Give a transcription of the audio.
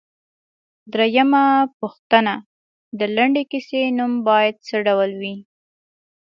درېمه پوښتنه ـ د لنډې کیسې نوم باید څه ډول وي؟